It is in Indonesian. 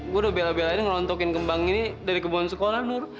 gue udah bela belain ngelontokin kembang ini dari kebun sekolah nur